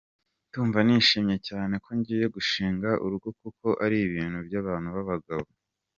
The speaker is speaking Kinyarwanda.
Ndumva nishimye cyane ko ngiye gushinga urugo kuko ari ibintu by’abantu b’abagabo.